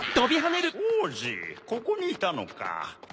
おうじここにいたのか。